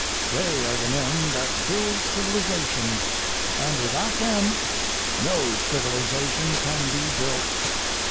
They are the men that build civilization, and without them no civilization can be built.